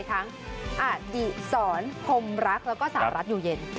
ทั้งอดิสรพมรักและสารัสอยู่เย็น